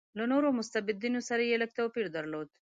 له نورو مستبدینو سره یې لږ توپیر درلود.